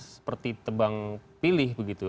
seperti tebang pilih begitu